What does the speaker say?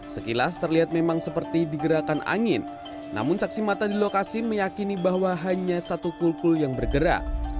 sekilas terlihat memang seperti digerakan angin namun caksi mata di lokasi meyakini bahwa hanya satu kulkul yang bergerak